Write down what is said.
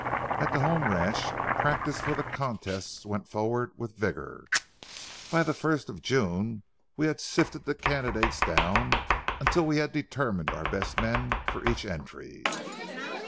At the home ranch practice for the contests went forward with vigor. By the first of June we had sifted the candidates down until we had determined on our best men for each entry.